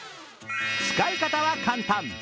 使い方は簡単。